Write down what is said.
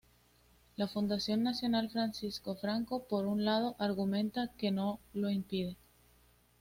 La Fundación Nacional Francisco Franco por un lado argumenta que no lo impide.